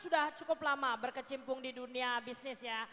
sudah cukup lama berkecimpung di dunia bisnis ya